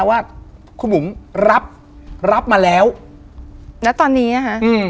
ว่าคุณบุ๋มรับรับมาแล้วณตอนนี้นะคะอืม